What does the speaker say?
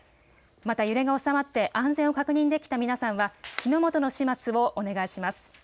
また揺れが収まって安全を確認できた皆さんは火の元の始末をお願いします。